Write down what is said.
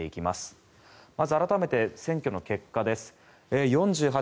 まず、改めて選挙の結果です。